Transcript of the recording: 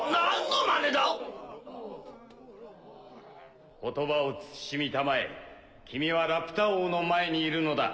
言葉をつつしみたまえ君はラピュタ王の前にいるのだ。